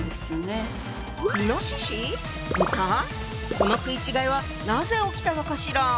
この食い違いはなぜ起きたのかしら？